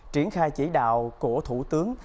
triển khai chỉ đạo của thủ tướng